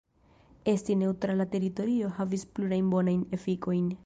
Esti "neŭtrala" teritorio havis plurajn bonajn efikojn.